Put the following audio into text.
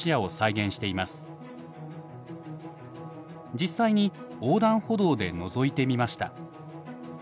実際に横断歩道でのぞいてみました。